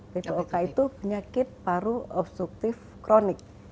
ppok itu penyakit paru obstruktif kronik